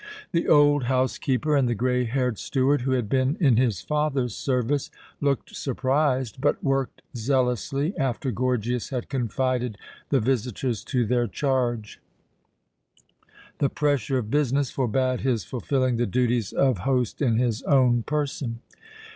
The old housekeeper and the grey haired steward, who had been in his father's service, looked surprised, but worked zealously after Gorgias had confided the visitors to their charge. The pressure of business forbade his fulfilling the duties of host in his own person.